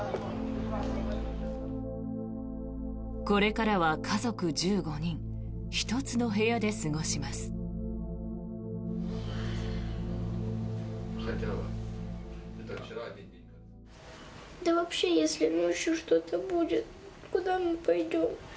これからは家族１５人１つの部屋で過ごします。